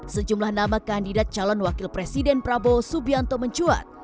sejumlah nama kandidat calon wakil presiden prabowo subianto mencuat